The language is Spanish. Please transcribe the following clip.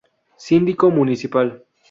Síndico Municipal.